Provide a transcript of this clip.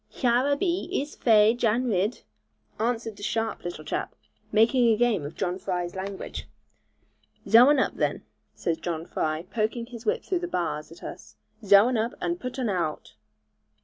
'Hyur a be, ees fai, Jan Ridd,' answered a sharp little chap, making game of John Fry's language. 'Zhow un up, then,' says John Fry poking his whip through the bars at us; 'Zhow un up, and putt un aowt.'